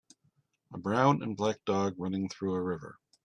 a brown and black dog running through a river